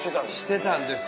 してたんです